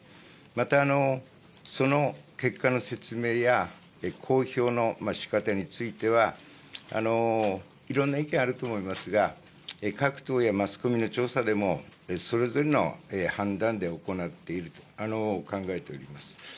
また、その結果の説明や、公表のしかたについては、いろんな意見あると思いますが、各党やマスコミの調査でもそれぞれの判断で行っていると考えております。